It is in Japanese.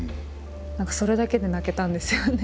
何かそれだけで泣けたんですよね。